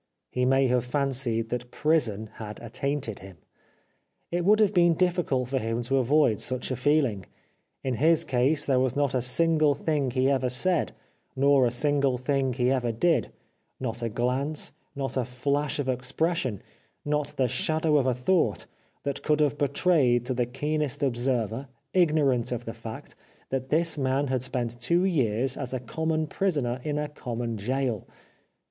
He may have fancied that prison had attainted him. It would have been difficult for him to avoid such a feeling. In his case there was not a single thing he ever said, nor a single thing he ever did, not a glance, not a flash of expression, not the shadow of a thought, that could have betrayed 406 The Life of Oscar Wilde to the keenest observer, ignorant of the fact, that this man had spent two years as a common prisoner in a common gaol.